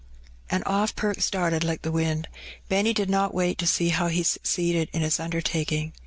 And oflF Perks darted like the wind. Benny did not Yait to see how he succeeded in his undertaking.